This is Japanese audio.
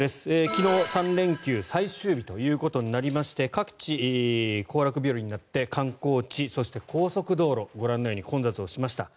昨日３連休最終日ということになりまして各地、行楽日和になって観光地、そして高速道路ご覧のように混雑しました。